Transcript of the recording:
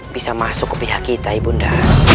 bisa masuk ke pihak kita ibu nda